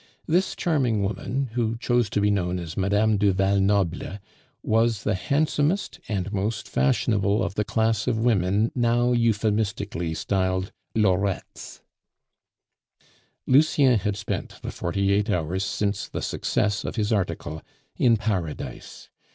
This charming woman, who chose to be known as Mme. du Val Noble, was the handsomest and most fashionable of the class of women now euphemistically styled lorettes. Lucien had spent the forty eight hours since the success of his article in paradise.